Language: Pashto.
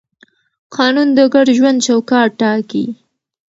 قانون د ګډ ژوند چوکاټ ټاکي.